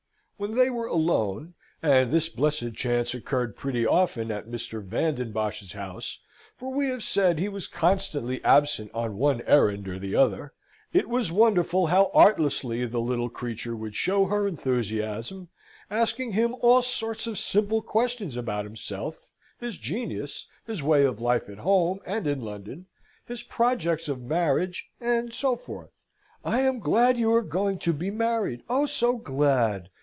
When they were alone and this blessed chance occurred pretty often at Mr. Van den Bosch's house, for we have said he was constantly absent on one errand or the other it was wonderful how artlessly the little creature would show her enthusiasm, asking him all sorts of simple questions about himself, his genius, his way of life at home and in London, his projects of marriage, and so forth. "I am glad you are going to be married, oh, so glad!"